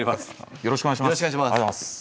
よろしくお願いします。